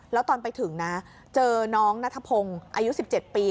แล้วตอนไปถึงนะเจอน้องนัทพงศ์อายุ๑๗ปี